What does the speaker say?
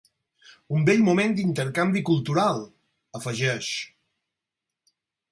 Un bell moment d’intercanvi cultural, afegeix.